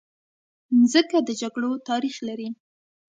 مځکه د جګړو تاریخ لري.